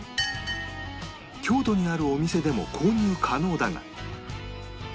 京都にあるお店でも購入可能だが